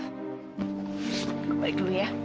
aku balik dulu ya